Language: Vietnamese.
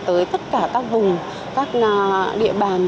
tới tất cả các vùng các địa bàn